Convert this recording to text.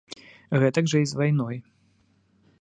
Гэтак жа і з вайной.